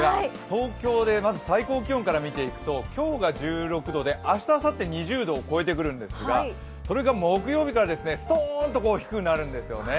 東京でまず最高気温から見ていくと今日が１６度で、明日、あさって２０度を超えてくるんですが、それが木曜日から、すとーんと低くなるんですよね。